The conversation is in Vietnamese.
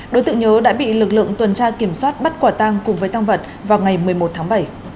đối tượng nhớ đã bị lực lượng tuần tra kiểm soát bắt quả tăng cùng với tăng vật vào ngày một mươi một tháng bảy